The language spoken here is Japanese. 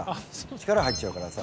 力入っちゃうからさ。